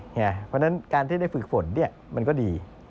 เพราะฉะนั้นการที่ได้ฝึกฝนมันก็ดี